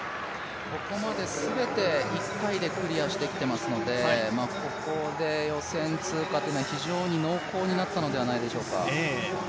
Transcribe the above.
ここまですべて１回でクリアしてきていますので、ここで予選通過というのは非常に濃厚になったのではないでしょうか。